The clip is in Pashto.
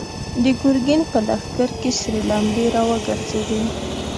د ګرګين په لښکر کې سرې لمبې را وګرځېدې.